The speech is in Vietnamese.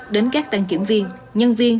đến các đăng kiểm viên nhân viên